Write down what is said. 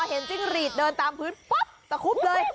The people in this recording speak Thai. พอเห็นจิ้งรีดเดินตามพื้นป๊อบแต่คุบเลย